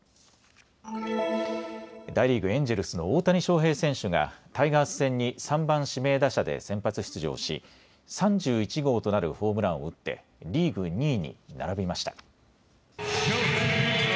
大リーグ、エンジェルスの大谷翔平選手がタイガース戦に３番・指名打者で先発出場し３１号となるホームランを打ってリーグ２位に並びました。